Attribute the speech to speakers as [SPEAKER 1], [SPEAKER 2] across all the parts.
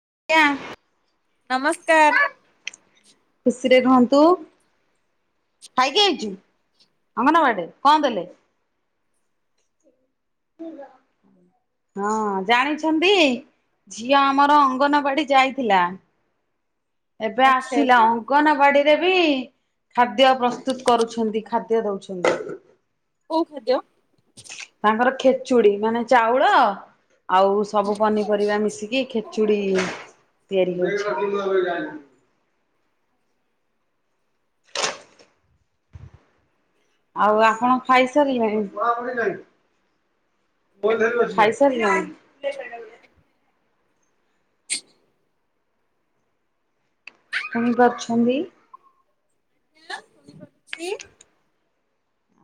[SPEAKER 1] [inaudible]
[SPEAKER 2] ନମସ୍କାର୍।
[SPEAKER 1] କିରେ ଧନ୍ତୁ ଖାଇକି ଆଇଛୁ ଅଙ୍ଗନବାଡିରେ କଣ ଦେଲେ? ହଁ ଜାଣିଛନ୍ତି ଝିଅ ଆମର ଅଙ୍ଗନବାଡି ଯାଇଥିଲା। ଏବେ
[SPEAKER 2] ଆଚ୍ଛା
[SPEAKER 1] ଆସିଲା
[SPEAKER 2] ଆଚ୍ଛା
[SPEAKER 1] ଅଙ୍ଗନବାଡି ରେବି ଖାଦ୍ୟ ପ୍ରସ୍ତୁତ୍ କରୁଛନ୍ତି ଖାଦ୍ୟ ଦଉଛନ୍ତି ।
[SPEAKER 2] କୋଉ ଖାଦ୍ୟ?
[SPEAKER 1] ତାଙ୍କର ଖେଚୁଡି ମାନେ ଚାଉଳ ଆଉ ସବୁ ପନିପରିବା ମିଶିକି ଖେଚୁଡି ତିଆରି କରୁଛି। [inaudible] ଆଉ ଆପଣ ଖାଇସାରିଲେଣି? ଖାଇସାରିଲୁଣି। ଶୁଣିପାରୁଛନ୍ତି?
[SPEAKER 2] [unintelligible]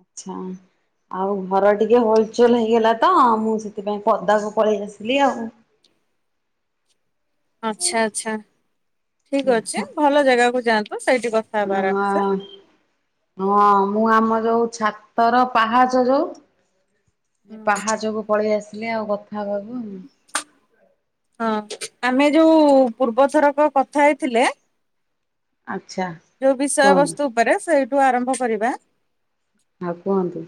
[SPEAKER 1] ଆଚ୍ଛା ଆଉ ଘର ଟିକେ ହୋଲଚୋଲ ହେଇଗଲା ତ ମୁଁ ସେଥିପାଇଁ ପଦାକୁ ପଳେଇ ଆସିଲି ଆଉ।
[SPEAKER 2] ଆଚ୍ଛା ଆଚ୍ଛା। ଠିକ ଅଛି ଭଲ ଜାଗା କ ଯାନ୍ତୁ
[SPEAKER 1] ଉ ହଁ ହଁ। ମୁଁ ଆମ ଯୋଉ ଛାତର ପାହାଚ ଯୋଉ ଏ
[SPEAKER 2] ହଁ
[SPEAKER 1] ପାହାଚକୁ ପଳେଇ ଆସି ଆଉ କ ହଁ ବାବୁ।
[SPEAKER 2] ଆମେ ଯୋଉ ପୂର୍ବଥରକ କଥା ହେଇଥିଲେ
[SPEAKER 1] ଆଚ୍ଛା
[SPEAKER 2] ଯଉ ବିଷୟ
[SPEAKER 1] କୁହନ୍ତୁ।
[SPEAKER 2] ବସ୍ତୁ ଉପରେ ସେଇ ଠୁ ଆରମ୍ଭ କରିବା।
[SPEAKER 1] ଆଉ କୁହନ୍ତୁ।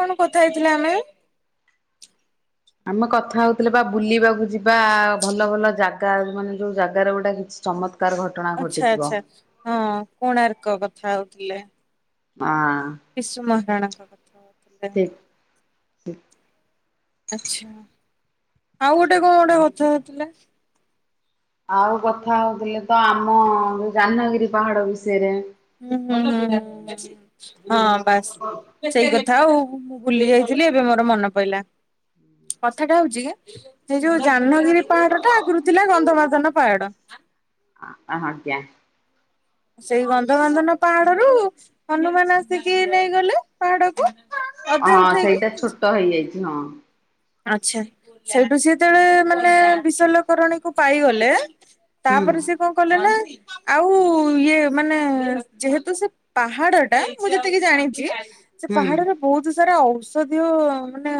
[SPEAKER 2] କଣ କଥା ହେଇଥିଲେ ଆମେ?
[SPEAKER 1] ଆମେ କଥା ହଉଥିଲେ ବା ବୁଲିବାକୁ ଯିବା ଭଲ ଭଲ ଜାଗା ମାନେ ଯୋଉ ଜାଗାରେ ଗୋଟେ କିଛି ଚମତ୍କାର ଘଟଣା
[SPEAKER 2] ଆଛା
[SPEAKER 1] ଘଟିଥିବ ହଁ
[SPEAKER 2] ଆଛା ହଁ କୋଣାର୍କ କଥା ହୋଇଥିଲେ।
[SPEAKER 1] ହଁ।
[SPEAKER 2] ବିଶୁ ମହାରଣା। ଟା।
[SPEAKER 1] ହୁଁ।
[SPEAKER 2] ଆଛା ଆଉ ଗୋଟେ କଣ ଗୋଟେ କଥା ହୋଇଥିଲେ।
[SPEAKER 1] ଆଉ କଥା ହଉଥିଲେ ତ ଆମ ଜାହ୍ନଗିରି ପାହାଡ ବିଷୟରେ।
[SPEAKER 2] ହୁଁ ହୁଁ ହୁଁ ହୁଁ ଉ ହଁ ବାସ୍ ସେଇ ହଁ ଆଉ ମୁଁ ଭୁଲି ଯାଇଥିଲି ଏବେ ମୋର ମନେ ପଇଲା। କଥାଟା ହଉଛି କି ସେଇ ଯୋଉ ଜାହ୍ନଗିରି ପାହାଡଟା ଆଗୁରୁ ଥିଲା ଗନ୍ଧମାର୍ଦ୍ଧନ ପାହାଡ଼।
[SPEAKER 1] ଆ ଆଜ୍ଞା।
[SPEAKER 2] ସେଇ ଗନ୍ଧମାର୍ଦ୍ଧନ ପାହାଡରୁୁ ହନୁମାନ ଆସିକି ନେଇଗଲେ ପାହାଡକୁ। ଅଧେ
[SPEAKER 1] ହଁ
[SPEAKER 2] ଉଠେଇକି
[SPEAKER 1] ସେଇଟା ଛୋଟ ହେଇଯାଇଛି। ହଁ।
[SPEAKER 2] ଆଚ୍ଛା ସେଇଠୁ ସେ ଯେତେବେଳେ ମାନେ ବିଶଲ୍ୟକରଣୀକୁ ପାଇଗଲେ।
[SPEAKER 1] ହୁଁ
[SPEAKER 2] ତାପରେ ସେ କଣ କଲେ ନା ଆଉ ଇଏ ମାନେ ଯେହେତୁ ସେ ପାହାଡ଼ ଟା ମୁଁ ଯେତିକି ଜାଣିଛି ସେ
[SPEAKER 1] ହୁଁ
[SPEAKER 2] ପାହାଡରେ ବହୁତ ସାରା ଆଉ ଷଧୗ ମାନେ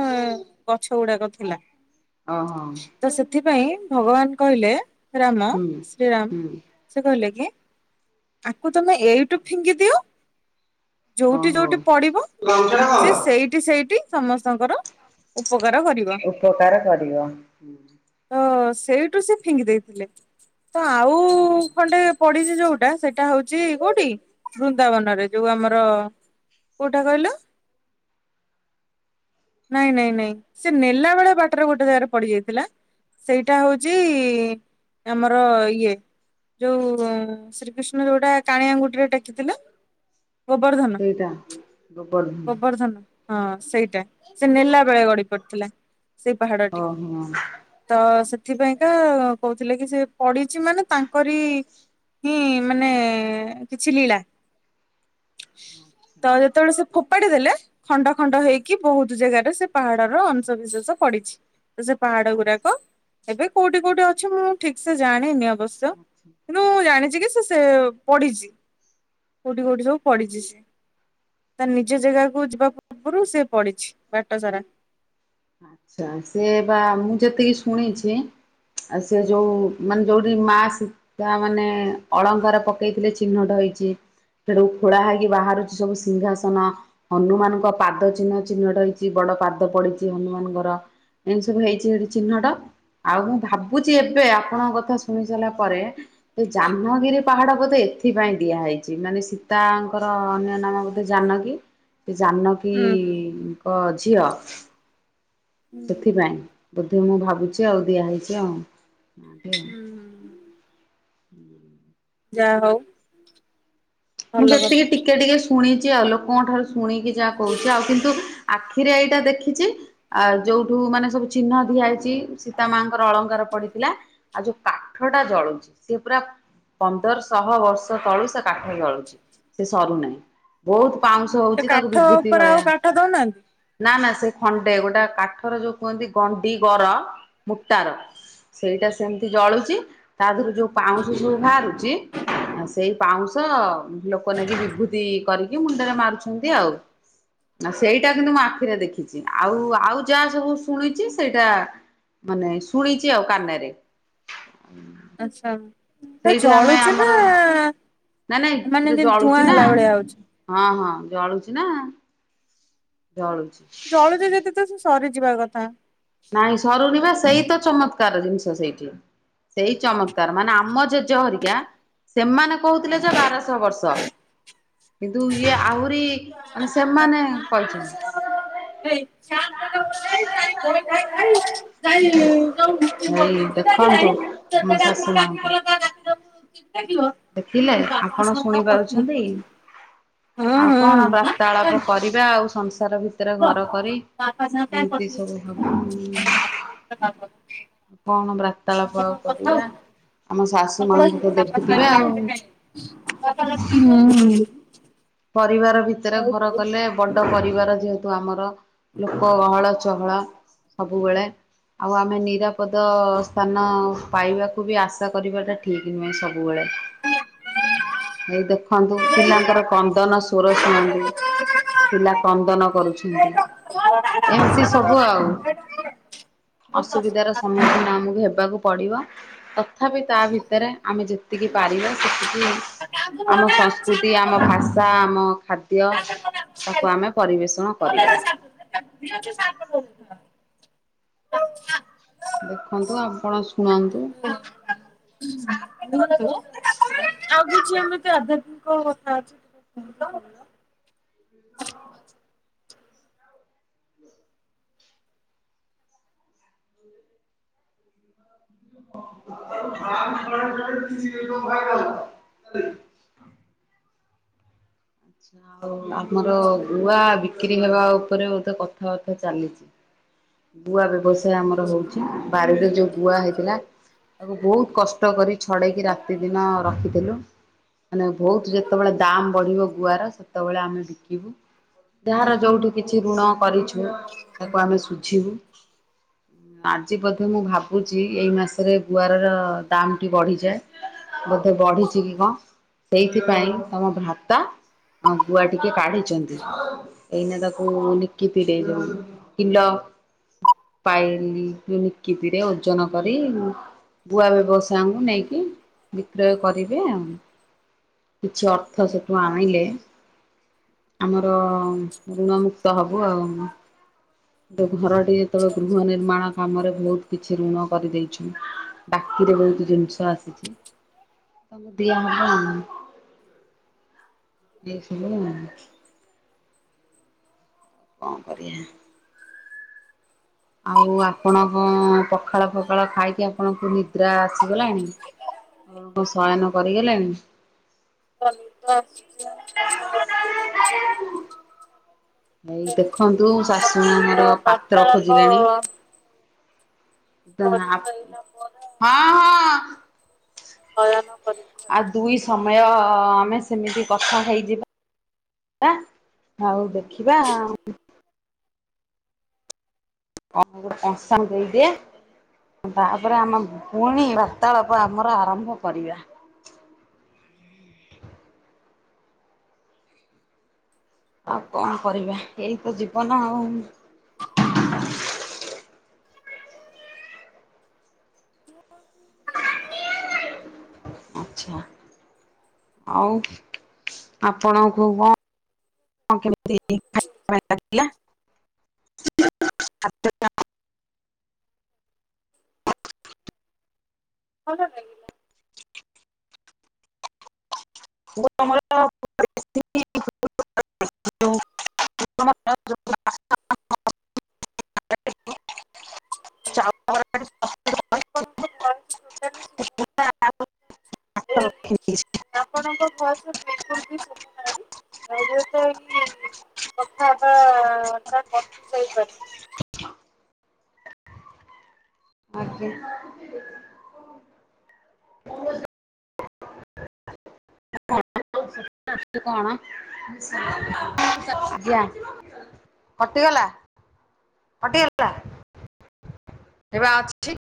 [SPEAKER 2] ଗଛ ଗୁଡ଼ାକ ଥିଲା।
[SPEAKER 1] ଓ ହୋ।
[SPEAKER 2] ପାଇଁ ଭଗବାନ କହିଲେ ରାମ
[SPEAKER 1] ହୁଁ
[SPEAKER 2] ଶ୍ରୀରାମ
[SPEAKER 1] ହୁଁ
[SPEAKER 2] ସେ କହିଲେ କି ଆକୁ ତମେ ଏଇଠୁ ଫିଙ୍ଗି ଦିଅ। ଯୋଉଠି
[SPEAKER 1] ଓହୋ।
[SPEAKER 2] ଯୋଉଠି ପଡିବ
[SPEAKER 1] ଗାମୁଛା ଟା କଣ
[SPEAKER 2] ସେ
[SPEAKER 1] ହେଲା?
[SPEAKER 2] ସେଇଠି ସେଇଠି ସମସ୍ତଙ୍କର ଉପକାର କରିବ
[SPEAKER 1] ଉପକାର କରିବ ।
[SPEAKER 2] ତ ସେଇଠୁ ସେ ଫିଙ୍ଗି ଦେଇଥିଲେ। ତ ଆଉ ଖଣ୍ଡେ ପଡ଼ିଛି ଯୋଉଟା ସେଟା ହଉଛି କୋଉଠି ବୃନ୍ଦାବନରେ ଯୋଉ ଆମର କୋଉଟା କହିଲ ନାଇଁ ନାଇଁ ନାଇଁ ସେ ନେଲା ବେଳେ ବାଟରେ ଗୋଟେ ଜାଗାରେ ପଡ଼ିଯାଇଥିଲା ସେଇଟା ହଉଛି ଆମର ଇଏ ଯୋଉ ଶ୍ରୀକୃଷ୍ଣ ଯୋଉଟା କାଣିଆଙ୍ଗୁଠିରେ ଟେକିଥିଲେ ଗୋଵର୍ଧନ
[SPEAKER 1] ସେଇଟା ଗୋବର ଧନ
[SPEAKER 2] ଗୋବର୍ଧନ । ହଁ ସେଇଟା ସେ ନେଲା ବେଳେ ଗଡ଼ି ପଡ଼ଥିଲା। ସେ ପାହାଡ଼ଟି
[SPEAKER 1] ଓହୋ
[SPEAKER 2] ତ ସେ ସେଥିପାଇଁକା କହୁଥିଲେ କି ସେ ପଡ଼ିଛି ମାନେ ତାଙ୍କରି ହିଁ ମାନେ କିଛି ଲୀଳା ।
[SPEAKER 1] [inaudible]
[SPEAKER 2] ଫୋପାଡିଦେଲେ ଖଣ୍ଡ ଖଣ୍ଡ ହେଇକି ବହୁତ ଜାଗାରେ ଏ ସେ ପା ତାର ଅଂଶବିଶେଷ ପଡ଼ିଛି। ତ ସେ ପାହାଡ଼ ଗୁଡାକ ଏବେ କୋଉଠି କୋଉଠି ଅଛି ମୁଁ ଠିକ୍ ସେ ଜାଣିନି ଅବଶ୍ୟ
[SPEAKER 1] ଆଚ୍ଛା।
[SPEAKER 2] କିନ୍ତୁ ମୁଁ ଜାଣି [unintelligible] ସେ ସେ ପଡ଼ିଚି। କୋଉଠି କୋଉଠି ସବୁ ପଡ଼ିଛି ସେ, ତା ନିଜ ଜାଗାକୁ ଯିବା ପୂର୍ବରୁ ସେ ପଡ଼ିଛି ବାଟ ସାରା।
[SPEAKER 1] ଆଚ୍ଛା, ସେ ବା ମୁଁ ଯେତିକି ଶୁଣିଛି ସେ ଯୋଉ ମାନେ ଯୋଉଠି ମା ସୀତା ମାନେ ଅଳଙ୍କାର ପକେଇଥିଲେ ଚିହ୍ନଟ ହେଇଛି ସେଟାକୁ ଖୋଳା ହେଇକି ବାହାରୁଛି ସବୁ ସିଂହାସନ ହନୁମାନଙ୍କ ପାଦ ଚିହ୍ନ ଚିହ୍ନଟ ହେଇଛି ବଡ ପାଦ ପଡି ହନୁମାନଙ୍କର ଏମିତି ସବୁ ହେଇଛି ଏଠି ଚିହ୍ନଟ ଆଉ ମୁଁ ଭାବୁଛି ଏବେ ଆପଣଙ୍କ କଥା ଶୁଣି ସାରିଲା ପରେ ଏ। [unintelligible] ପାହାଡ ବୋଧେ ଏଥିପାଇଁ ଦିଆହେଇଛି। ମାନେ ସୀତାଙ୍କର ଅନ୍ୟ ନାମ ବୋଧେ ଜାନକୀ । ଜାନକୀ
[SPEAKER 2] ହୁଁ ହୁଁ।
[SPEAKER 1] ଙ୍କ ଝିଅ
[SPEAKER 2] ହୁଁ
[SPEAKER 1] ସେଥିପାଇଁ ବୋଧେ ମୁଁ ଭାବୁଛି ଆଉ ଦିଆ ହେଇଛି ଆଉ।
[SPEAKER 2] ହୁଁ
[SPEAKER 1] [inaudible]
[SPEAKER 2] ଯାହା ହଉ।
[SPEAKER 1] ମୁଁ
[SPEAKER 2] ଭଲ
[SPEAKER 1] ଯେତିକି
[SPEAKER 2] କଥା
[SPEAKER 1] ଟିକେ ଟିକେ ଶୁ ଶୁଣିଛି ଆଉ ଲୋକଙ୍କ ଠାରୁ ଶୁଣିକି ଯାହା କହୁଛ ଆଉ କିନ୍ତୁ ଆଖିରେ ଏଇଟା ଦେଖିଛି। ଆ ଯୋଉଠୁ ମାନେ ସବୁ ଚିହ୍ନ ଦିଆ ହେଇଛି ସୀତା ମାଙ୍କର ଅଳଙ୍କାର ପଡିଥିଲା। ଆଉ ଯୋଉ କାଠ ଟା ଜଳୁଛି ସେ ପୁରା ପନ୍ଦରଶହ ବର୍ଷ ତଳୁ ସେ କାଠ ଜଳୁଛି। ସେ ସରୁ ନାହିଁ ବହୁତ ପାଉଁଶ
[SPEAKER 2] ସେ
[SPEAKER 1] ହଉଛି ତାକୁ
[SPEAKER 2] କାଠ
[SPEAKER 1] ବିଭୂତି
[SPEAKER 2] ଉପରେ ଆଉ
[SPEAKER 1] ଭଳିଆ
[SPEAKER 2] କାଠ ଦଉନାହାନ୍ତି?
[SPEAKER 1] ନା ନା ସେ ଖଣ୍ଡେ ଗୋଟେ କାଠର ଯୋଉ କୁହନ୍ତି ଗଣ୍ଡି ଗର ମୁଟାର ସେଇଟା ସେମିତି ଜଳୁଛି ତା ଦେହରୁ ଯୋଉ ପାଉଁଶ ସବୁ ବାହାରୁଛି ଆଉ ସେଇ ପାଉଁଶ ତ ଲୋକ ନେଇକି ବିଭୂତି କରିକି ମୁଣ୍ଡରେ ମାରୁଛନ୍ତି ଆଉ। ସେଇଟା କିନ୍ତୁ ମୁଁ ଆଖିରେ ଦେଖିଛି ଆଉ ଆଉ ଯାହା ସବୁ ଶୁଣିଛି ସେଇଟା ମାନେ ଶୁଣିଛି ଆଉ କାନରେ।
[SPEAKER 2] ଆଚ୍ଛା। ଏ
[SPEAKER 1] ସେଇଠି ଆମେ
[SPEAKER 2] ଜଳୁଛି ନା
[SPEAKER 1] ଆମର ନା
[SPEAKER 2] ମାନେ
[SPEAKER 1] ନାଇଁ
[SPEAKER 2] ଯେମିତି ଧୂଆଁ
[SPEAKER 1] ଜଳୁଛି ନା।
[SPEAKER 2] ହେଲା ଭଳିଆ ହଉଛି।
[SPEAKER 1] ହଁ ହଁ। ଜଳୁଛି ନା। ଜଳୁଛି।
[SPEAKER 2] ଜଳୁଛି ଯେତେ ଥର ସେ ସରି ଯିବା କଥା।
[SPEAKER 1] ନାଇଁ ସରୁନି ବା ସେଇ ତ ଚମତ୍କାର ଜିନିଷ ସେଇଠି। ସେଇ ଚମତ୍କାର ମାନେ ଆମ ଜେଜେ ହେରିକା ସେମାନେ କହୁଥିଲେ ଯେ ବାରଶହ ବର୍ଷ କିନ୍ତୁ ଇଏ ଆହୁରି ମାନେ ସେମାନେ କହିଛନ୍ତି। ଏଇ ଦେଖନ୍ତୁ ମୋ ଶାଶୁ ମାଙ୍କୁ। ଦେଖିଲେ ଆପଣ ଶୁଣି ପାରୁଛନ୍ତି।
[SPEAKER 2] [unintelligible]
[SPEAKER 1] ଆଉ କଣ
[SPEAKER 2] ହୁଁ
[SPEAKER 1] ବାର୍ତାଳାପ କରିବା ଆଉ ସଂସାର ଭିତରେ ଘର କରି
[SPEAKER 2] ହ [unintelligible]
[SPEAKER 1] ଏମିତି ସବୁ ହବ [inaudible] କଣ ବାର୍ତାଳାପ ଆଉ କରିବା ଆମ ସ
[SPEAKER 2] [unintelligible]
[SPEAKER 1] ପରିବାର ଭି ତ ରେ ଘର କଲେ ବ ଛୋଟ ପରିବାର ଯେହେତୁ ଆମର ଲୋକ ଗହଳ ଚହଳ ସବୁବେଳେ ଆଉ ଆମେ ନିରାପଦ ସ୍ଥାନ ପାଇବାକୁ ବି ଆଶା କରିବାଟା ଠିକ ନୁହେଁ ସବୁବେଳେ ଏଇ ଦେଖନ୍ତୁ ପିଲାଙ୍କର କ କ୍ରନ୍ଦନ ସ୍ୱର ଶୁଣନ୍ତୁ ପିଲା କ୍ରନ୍ଦନ କରୁଛନ୍ତି। ଏମିତି ସବୁ ଆଉ [inaudible] ଅସୁବିଧାର ସମ୍ମୁଖୀନ ଆମକୁ ହେବାକୁ ପଡ଼ିବ ଅ ତଥାପି ତା ଭିତରେ ଆମେ ଯେତିକି ପାରିବା ସେତିକି ଆମ ସଂସ୍କୃତି ଆମ ଭା ହଁ ଖା କରିବା
[SPEAKER 2] [unintelligible] [unintelligible]
[SPEAKER 1] ଦେଖନ୍ତୁ ଆପଣ ଶୁଣନ୍ତୁ?
[SPEAKER 2] [unintelligible] ଆଉ କିଛି ଏମିତି ଆଧାତ୍ମିକ କଥା ଅଛି
[SPEAKER 1] [unintelligible] ଆଛା ଆଉ ଆମର ଗୁଆ ବିକ୍ରି ହେବା ଉପରେ ବୋଧେ କଥାବାର୍ତ୍ତା ଚାଲିଛି ଗୁଆ ବ୍ୟବସାୟ ଆମର ହଉଛି ବାରିରେ ଯୋଉ ଗୁଆ ହେଇଥିଲା ତାକୁ ବହୁତ କଷ୍ଟ କରି ଛଡେଇକି ରାତି ଦିନ ରଖିଥିଲୁ ମାନେ ବହୁତ ଯେତେବେଳେ ଦାମ ବଢିବ ଗୁଆର ସେତେବେଳେ ଆମେ ବିକିବୁ ଯାହାର ଯୋଉଠି କିଛି ଋଣ କରିଛୁ ତାକୁ ଆମେ ଶୁଝିବୁ ଆଜି ବୋଧେ ମୁଁ ଭାବୁଛି ଏଇ ମାସରେ ଗୁଆରର ଦାମଟି ବଢିଯାଏ ବୋଧେ ବଢିଛି କି କଣ ସେଇଥିପାଇଁ ତମ ଭାତା ଆ ଗୁଆ ଟିକେ କାଢିଛନ୍ତି ଏଇନା ତାକୁ ନିକିତିରେ ଯୋଉ କିଲ ପାଇଲି ନିକିତିରେ ଓଜନ କରି ଗୁଆ ବ୍ୟବସାୟଙ୍କୁ ନେଇକି ବିକ୍ରୟ କରିବେ ଆଉ କିଛି ଅର୍ଥ ସେଠୁ ଆଣି ଆମର ଋଣ ମୁକ୍ତ ହବୁ ଆଉ [inaudible] ଦ ଘର ଯେତେବେଳେ ଗୃହ ନିର୍ମାଣ କାମରେ ବହୁତ କିଛି ଋଣ କରିଦେଇଛୁ ବାକିରେ ବହୁତ ଜିନିଷ ଆସିଛି ତମ ଦିଆ ହବ ଆ [unintelligible] କଣ କରିବା। ଆଉ ଆପଣ କଣ ପଖାଳ ପଖାଳ ଖାଇକି ଆପଣଙ୍କୁ ନିଦ୍ରା ଆସିଗଲାଣି କଣ ଶୟନ କରିଗଲେଣି? ଭାଇ ଦେଖନ୍ତୁ ଶାଶୁ ଆମର ପାତ୍ର
[SPEAKER 2] ବାର୍ତ୍ତାଳାପ
[SPEAKER 1] ଖୋଜିଲେଣି। ତ ହଁ
[SPEAKER 2] କରିସାରିଲା ପରେ
[SPEAKER 1] ହଁ।
[SPEAKER 2] ହୟନ
[SPEAKER 1] ଆଉ ଦୁଇ ସମୟ ଆମେ ସେମିତି କଥା ହେଇଯିବା ଆଉ ଦେଖିବା। [unintelligible] ଦେଇଦିଏ ତାପରେ ଆମେ ପୁଣି ବାର୍ତ୍ତାଳାପ ଆମର ଆରମ୍ଭ କରିବା। ଆଉ କଣ କରିବା ଏଇତ ଜୀବନ ଆଉ
[SPEAKER 2] [inaudible]
[SPEAKER 1] ଆଛା ଆଉ ଆପଣଙ୍କୁ କଣ? [unintelligible] [unintelligible]
[SPEAKER 2] ଭଲ ଲାଗିଲା।
[SPEAKER 1] [unintelligible] [unintelligible]
[SPEAKER 2] ଆପଣଙ୍କ ଭୋଏସ ଟଟାଲି ଶୁଭୁନି। ଆପଣଙ୍କ ଭୋଇସ [unintelligible] କଥା ବା ତା କଟି ଯାଇପାରେ
[SPEAKER 1] ଆଜ୍ଞା କଣ ଯା କଟିଗଲା କଟିଗଲା ଏଇ ବା ଅଛି।